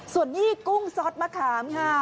ส่วนนี้กุ้งซอสมะขามค่ะ